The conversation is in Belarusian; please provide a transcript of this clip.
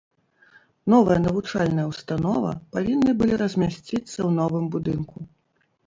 Новая навучальная ўстанова павінны былі размясціцца ў новым будынку.